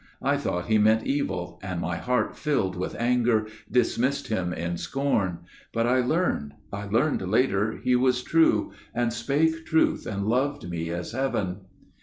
I thought he meant evil, and my heart, filled with anger, Dismissed him in scorn; but I learned, I learned later, He was true, and spake truth and loved me as heaven."